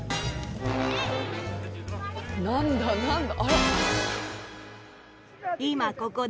何だ何だ？